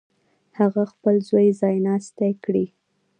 هغه خپل زوی ځایناستی کړي.